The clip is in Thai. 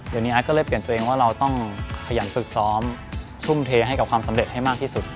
เดี๋ยวนี้อาร์ตก็เลยเปลี่ยนตัวเองว่าเราต้องขยันฝึกซ้อมทุ่มเทให้กับความสำเร็จให้มากที่สุด